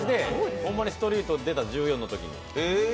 ホンマにストリートに出た１４のとき。